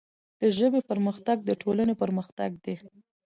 د ژبې پرمختګ د ټولنې پرمختګ دی.